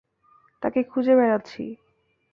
তাঁকে খুঁজে বেড়াচ্ছি।